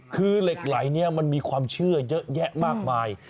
คือเหล็กไหลนี้มันมีความเชื่อเยอะแยะมากมาย